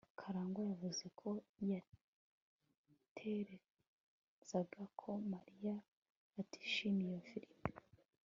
karangwa yavuze ko yatekerezaga ko mariya atishimiye iyo filimi